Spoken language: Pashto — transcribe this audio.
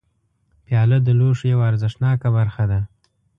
پیاله د لوښو یوه ارزښتناکه برخه ده.